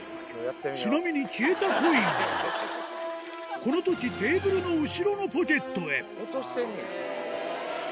ちなみに消えたコインはこのときテーブルの後ろのポケットへ落としてんねや。